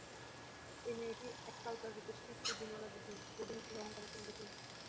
এই মেয়েটি এককালকার রূপসী ছাত্রী বিমলাদিদি, বোর্ডিং স্কুলের অহংকারের সামগ্রী ছিল।